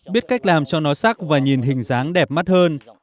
biết cách làm cho nó sắc và nhìn hình dáng đẹp mắt hơn